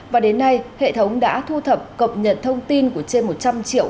và đến nay hệ thống đã thu thập cập nhật thông tin của trên một trăm linh triệu